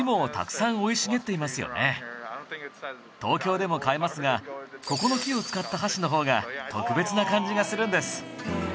でも一体ここの木を使った箸の方が特別な感じがするんです。